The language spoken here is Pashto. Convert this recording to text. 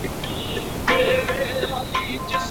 طبي بې طرفي څه مانا لري؟